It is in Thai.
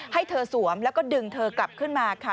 ให้เธอสวมแล้วก็ดึงเธอกลับขึ้นมาค่ะ